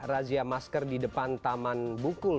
razia masker di depan taman bukul